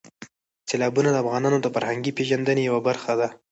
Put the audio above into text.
سیلابونه د افغانانو د فرهنګي پیژندنې یوه برخه ده.